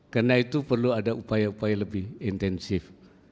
karena itu perlu ada upaya upaya lebih intensif